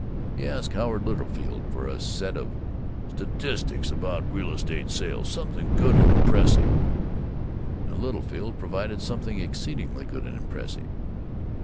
He asked Howard Littlefield for a "set of statistics about real estate sales; something good and impressive," and Littlefield provided something exceedingly good and impressive.